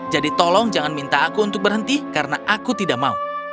tolong jangan minta aku untuk berhenti karena aku tidak mau